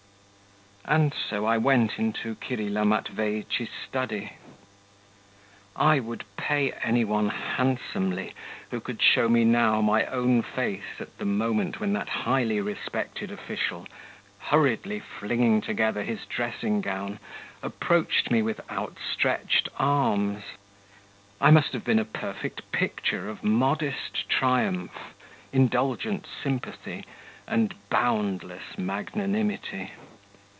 _ And so I went into Kirilla Matveitch's study. I would pay any one handsomely, who could show me now my own face at the moment when that highly respected official, hurriedly flinging together his dressing gown, approached me with outstretched arms. I must have been a perfect picture of modest triumph, indulgent sympathy, and boundless magnanimity....